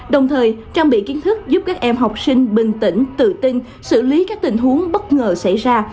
đồng thời trang bị kiến thức giúp các em học sinh bình tĩnh tự tin xử lý các tình huống bất ngờ xảy ra